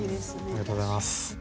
ありがとうございます。